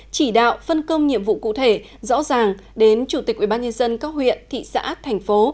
chỉ đạo phân công nhiệm vụ cụ thể rõ ràng đến chủ tịch ubnd các huyện thị xã thành phố